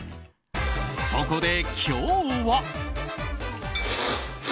そこで、今日は。